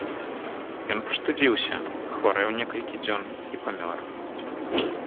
Ён прастудзіўся, хварэў некалькі дзён і памёр.